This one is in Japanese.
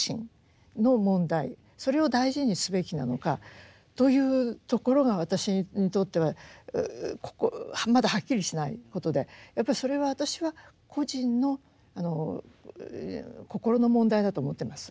それを大事にすべきなのかというところが私にとってはここまだはっきりしないことでやっぱりそれは私は個人の心の問題だと思ってます。